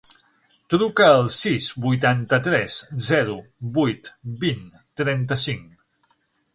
Truca al sis, vuitanta-tres, zero, vuit, vint, trenta-cinc.